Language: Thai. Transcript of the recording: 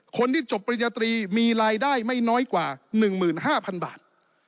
คนที่จบปริญญาตรีมีรายได้ไม่น้อยกว่า๑๕๐๐๐บาท